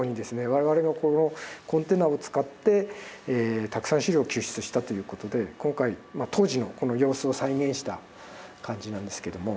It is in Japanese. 我々がこのコンテナを使ってたくさん資料を救出したということで今回当時のこの様子を再現した感じなんですけども。